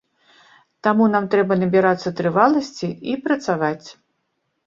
Таму нам трэба набірацца трываласці і працаваць.